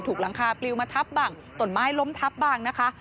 หลังคาปลิวมาทับบ้างต้นไม้ล้มทับบ้างนะคะ